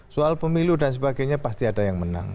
soal pemilu dan sebagainya pasti ada yang menang